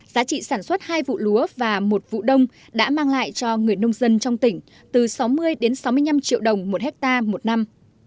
giá trị sản xuất hai vụ lúa và một vụ đông đã mang lại cho người nông dân trong tỉnh từ sáu mươi đến sáu mươi năm triệu đồng một hectare một năm